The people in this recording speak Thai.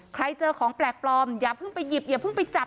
ใครเจอของแปลกปลอมอย่าเพิ่งไปหยิบอย่าเพิ่งไปจับ